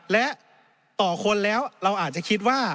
และต่อคนแล้วเราอาจจะคิดว่า